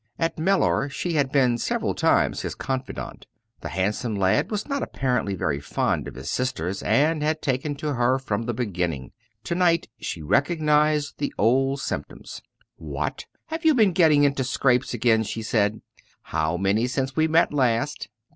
At Mellor she had been several times his confidante. The handsome lad was not apparently very fond of his sisters and had taken to her from the beginning. To night she recognised the old symptoms. "What, you have been getting into scrapes again?" she said "how many since we met last?"